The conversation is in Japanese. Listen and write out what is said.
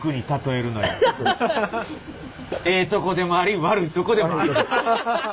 ええとこでもあり悪いとこでもある。